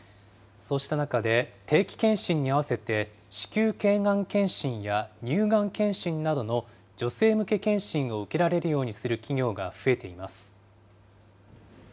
そうした中で、定期健診に合わせて子宮けいがん検診や乳がん検診などの女性向け検診を受けられるようにする企業が増えています。